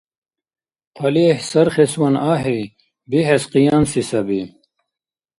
ТалихӀ сархесван ахӀи, бихӀес къиянси саби.